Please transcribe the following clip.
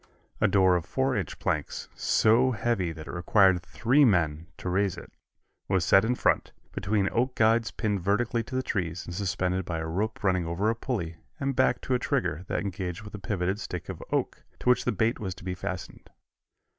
A door of four inch planks, so heavy that it required three men to raise it, was set in front, between oak guides pinned vertically to the trees and suspended by a rope running over a pulley and back to a trigger that engaged with a pivoted stick of oak, to which the bait was to be fastened.